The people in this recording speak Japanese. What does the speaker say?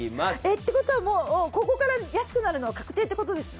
って事はもうここから安くなるのは確定って事ですね？